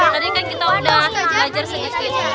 tadi kan kita udah belajar sedikit